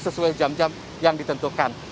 sesuai jam jam yang ditentukan